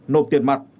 nộp tiền mặt